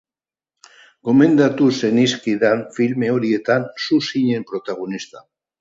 Gomendatu zenizkidan filme horietan zu zinen protagonista.